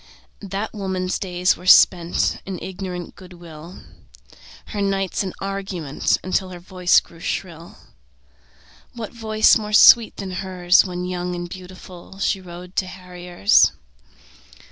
That woman's days were spent In ignorant good will, Her nights in argument Until her voice grew shrill. What voice more sweet than hers When young and beautiful, She rode to harriers?